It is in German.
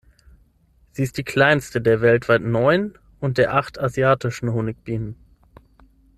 Sie ist die kleinste der weltweit neun und der acht asiatischen Honigbienen.